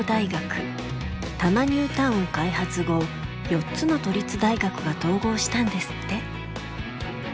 多摩ニュータウン開発後４つの都立大学が統合したんですって。